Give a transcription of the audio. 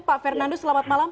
pak fernandus selamat malam